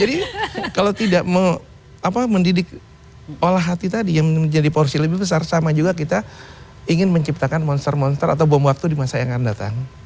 jadi kalau tidak mendidik olah hati tadi yang menjadi porsi lebih besar sama juga kita ingin menciptakan monster monster atau bom waktu di masa yang akan datang